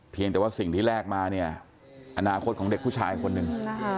แต่ว่าสิ่งที่แลกมาเนี่ยอนาคตของเด็กผู้ชายคนหนึ่ง